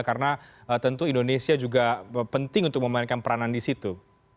karena tentu indonesia juga penting untuk memainkan peranan di situ